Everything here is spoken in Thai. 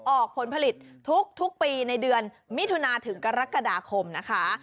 ออกผลผลิตทุกปีในเดือนมิถุนาถึงกรกฎาคมนะคะ